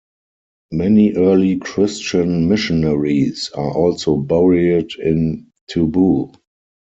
Many early Christian missionaries are also buried in Tubou.